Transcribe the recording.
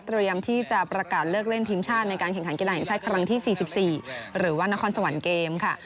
ที่จะประกาศเลิกเล่นทีมชาติในการแข่งขันกีฬาแห่งชาติครั้งที่๔๔หรือว่านครสวรรค์เกมค่ะ